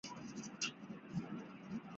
晚明官员。